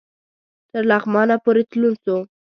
تر لغمانه پوري تلون سو